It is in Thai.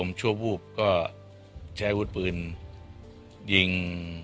มีปากเสียง